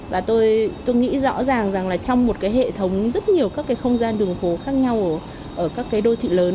và tôi nghĩ rõ ràng rằng là trong một cái hệ thống rất nhiều các cái không gian đường phố khác nhau ở các cái đô thị lớn